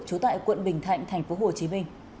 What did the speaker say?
trú tại quận bình thạnh tp hcm